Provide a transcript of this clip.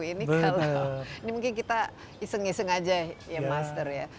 ini kalau ini mungkin kita iseng iseng aja ya master ya